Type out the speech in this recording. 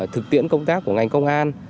thực tiễn công tác của ngành công an